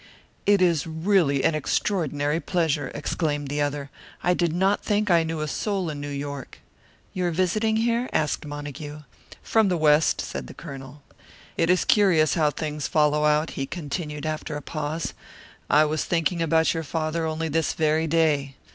"It is really an extraordinary pleasure!" exclaimed the other. "I did not think I knew a soul in New York." "You are visiting here?" asked Montague. "From the West," said the Colonel. "It is curious how things follow out," he continued, after a pause. "I was thinking about your father only this very day.